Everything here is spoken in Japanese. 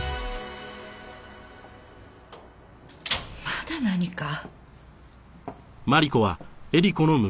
まだ何か？